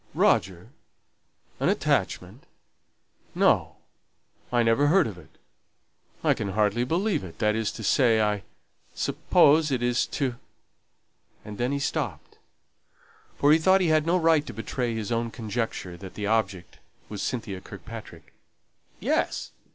"Roger! an attachment! No! I never heard of it I can hardly believe it that is to say, I suppose it is to " And then he stopped; for he thought he had no right to betray his own conjecture that the object was Cynthia Kirkpatrick. "Yes.